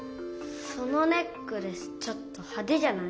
そのネックレスちょっとはでじゃない？